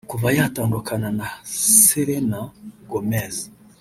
Kuva yatandukana na Selena Gomez